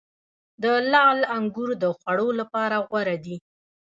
د لعل انګور د خوړلو لپاره غوره دي.